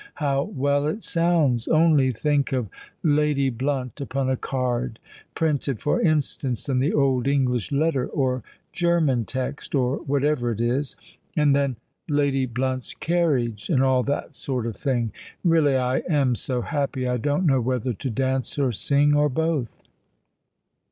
How well it sounds! only think of 'Lady Blunt' upon a card—printed, for instance, in the old English letter—or German text—or whatever it is. And then—'Lady Blunt's carriage!'—and all that sort of thing! Really I am so happy—I don't know whether to dance or sing—or both!"